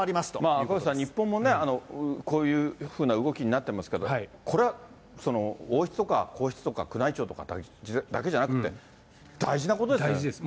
赤星さん、日本もねこういうふうな動きになってますけど、これは王室とか皇室とか、宮内庁とかだけじゃなくて、大事なことですよね。